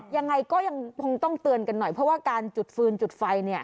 ยังไงก็ต้องเตือนกันหน่อยเพราะว่าการจุดฟืนจุดไฟ